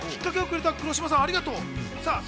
きっかけをくれた黒島さん、ありがとう。